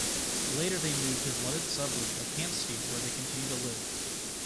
Later they moved to the London suburb of Hampstead where they continue to live.